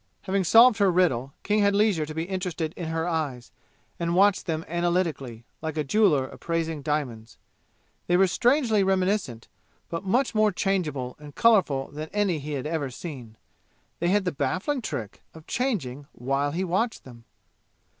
Having solved her riddle, King had leisure to be interested in her eyes, and watched them analytically, like a jeweler appraising diamonds. They were strangely reminiscent, but much more changeable and colorful than any he had ever seen. They had the baffling trick of changing while he watched them.